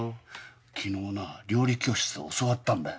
昨日な料理教室で教わったんだよ。